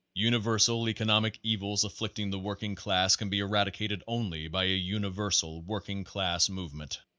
Universal economic evils afflicting the working class can be eradicated only by a universal working class movement.